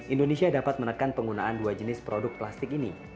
indonesia dapat menekan penggunaan dua jenis produk plastik ini